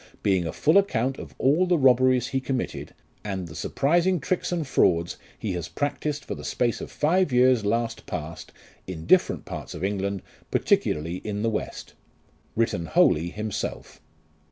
Being a full account of all the robberies he committed, and the surprising tricks and frauds he has practised for the space of five years last past, in different parts of England, particularly in the west. Written wholly Himself."